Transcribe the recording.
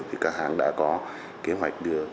thì các hãng đã có kế hoạch